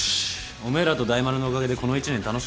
おめえらと大丸のおかげでこの一年楽しかったわ。